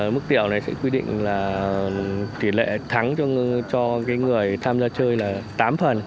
mức tiểu này sẽ quy định là tỷ lệ thắng cho người tham gia chơi là tám phần